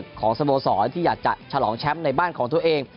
ของสโมสรที่อยากจะฉลองแชมป์ในบ้านของตัวเอง